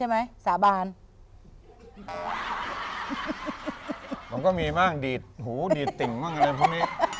มันก็มีมากดีดหูดีดติ่งไว้